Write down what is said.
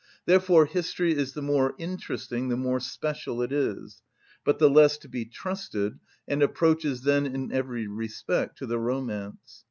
Therefore history is the more interesting the more special it is, but the less to be trusted, and approaches then in every respect to the romance.